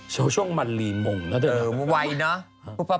โชว์ช่วงมันรีมงค์แล้วเดียวนะเออมันไวเนอะ